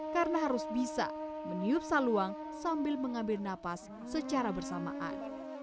karena harus bisa meniup saluang sambil mengambil napas secara bersamaan